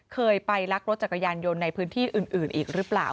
เคยไปลักรถจักรยานยนต์ในพื้นที่อื่นอีกหรือเปล่า